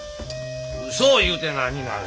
うそを言うて何になる。